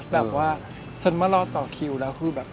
แบบว่าฉันมารอต่อคิวแล้วคือแบบ